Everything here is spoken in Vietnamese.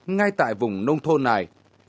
ngay tại vùng nông thôn này